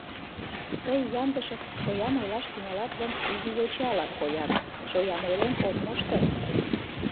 Тый, Яндышев, шоям ойлаш тӱҥалат гын, изи йочала коят, шоям ойлен от мошто.